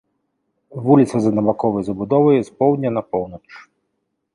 Вуліца з аднабаковай забудовай з поўдня на поўнач.